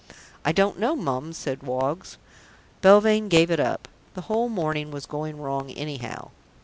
"I don't know, Mum," said Woggs. Belvane gave it up. The whole morning was going wrong anyhow.